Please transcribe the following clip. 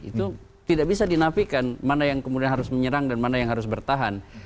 itu tidak bisa dinafikan mana yang kemudian harus menyerang dan mana yang harus bertahan